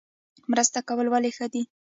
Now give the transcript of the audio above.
مرسته کول ولې ښه دي؟